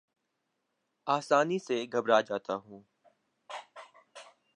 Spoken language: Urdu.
آسانی سے گھبرا جاتا ہوں